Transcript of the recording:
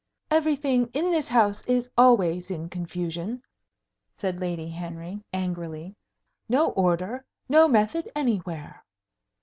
"Everything in this house is always in confusion!" said Lady Henry, angrily. "No order, no method anywhere!"